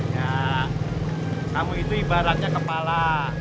ya kamu itu ibaratnya kepala